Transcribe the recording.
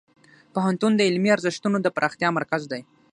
پوهنتون د علمي ارزښتونو د پراختیا مرکز دی.